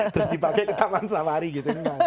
terus dipakai ke taman selama hari gitu